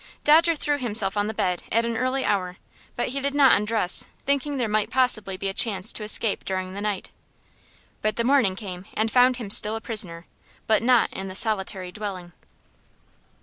Dodger threw himself on the bed at an early hour, but he did not undress, thinking there might possibly be a chance to escape during the night. But the morning came and found him still a prisoner, but not in the solitary dwelling.